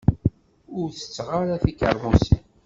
Ur tetteɣ ara tikermusin.